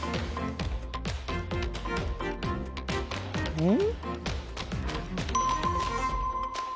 うん？